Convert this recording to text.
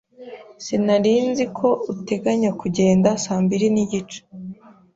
Sinari nzi ko uteganya kugenda saa mbiri nigice.